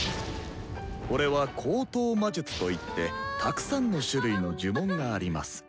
「これは口頭魔術といってたくさんの種類の呪文があります」。